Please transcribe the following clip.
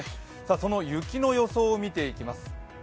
その雪の予想を見ていきます。